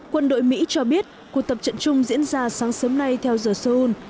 quân đội mỹ cho biết cuộc tập trận chung diễn ra sáng sớm nay theo giờ seoul